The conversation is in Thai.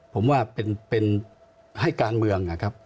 ผมว่าเป็นให้การเมืองนะครับ